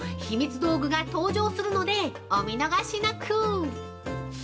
ひみつ道具が登場するのでお見逃しなく！